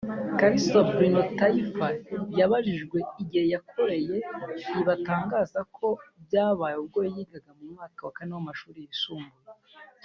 Kalisa Bruno Taifa yabajijwe igihe yakoreye ibi atangaza ko byabaye ubwo yigaga mu wa kane w’amashuri yisumbuye